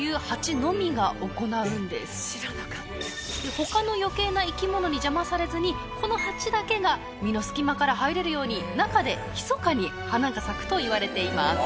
他の余計な生き物に邪魔されずにこのハチだけが実の隙間から入れるように中でひそかに花が咲くといわれています。